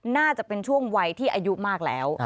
น่าจะเป็นช่วงวัยที่อายุมากแล้ว